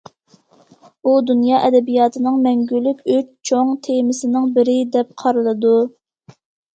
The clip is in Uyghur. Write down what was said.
ئۇ دۇنيا ئەدەبىياتىنىڭ مەڭگۈلۈك ئۈچ چوڭ تېمىسىنىڭ بىرى، دەپ قارىلىدۇ.